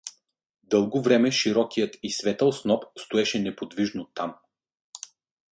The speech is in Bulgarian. Дълго време широкият и светъл сноп стоеше неподвижно там.